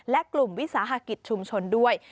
และกลุ่มวิสาหกิจชุมชนด้วย